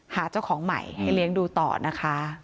หาเจ้าของใหม่ให้เลี้ยงดูต่อนะคะ